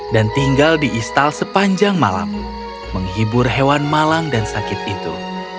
dan tinggal di istal sepanjang malam menghibur hewan malang dan sakit itu